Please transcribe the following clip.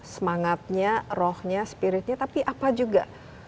semangatnya rohnya spiritnya tapi apa juga